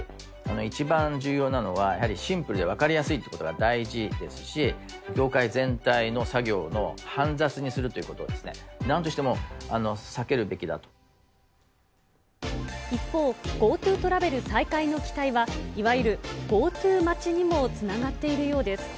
一番重要なのはやはりシンプルで分かりやすいということが大事ですし、業界全体の作業を煩雑にするということは、なんとしても避けるべ一方、ＧｏＴｏトラベル再開の期待は、いわゆるＧｏＴｏ待ちにもつながっているようです。